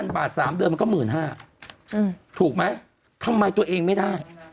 บาท๓เดือนมันก็๑๕๐๐ถูกไหมทำไมตัวเองไม่ได้